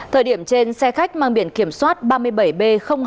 thời điểm trên xe khách mang biển kiểm soát ba mươi bảy b hai mươi tám sáu